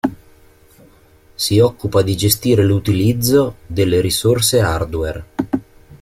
Si occupa di gestire l'utilizzo delle risorse hardware.